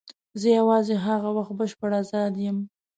زه یوازې هغه وخت بشپړ آزاد یم.